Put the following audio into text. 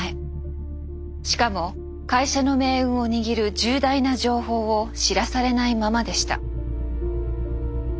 しかも会社の命運を握る重大な情報を知らされないままでした。